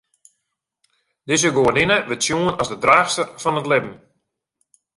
Dizze goadinne wurdt sjoen as de draachster fan it libben.